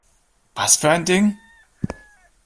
Was für ein Ding?